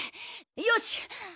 よし！